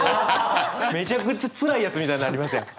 めちゃくちゃつらいやつみたいになりますやん。